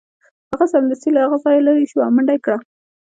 هغه سمدستي له هغه ځایه لیرې شو او منډه یې کړه